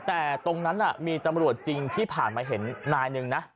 แต่ตรงนั้นมีตำรวจจริงที่ผ่านมาเห็นนายหนึ่งนะ